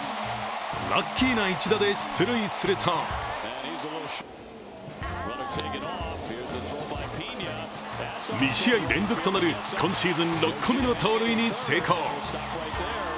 ラッキーな一打で出塁すると２試合連続となる今シーズン６個目の盗塁に成功。